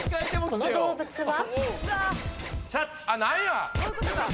この動物は？